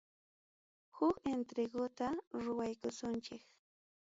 Huk entreguta ruwaykusunchik.